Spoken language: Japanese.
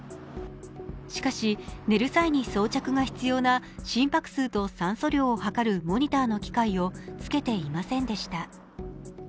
しかし、寝る際に装着が必要な心拍数と酸素量を測るモニターに機械をつけていませんでした。